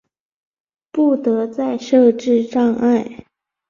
不得再设置障碍